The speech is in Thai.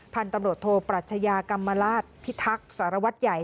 พันธุ์ตำรวจโทปรัชญากรรมราชพิทักษ์สารวัตรใหญ่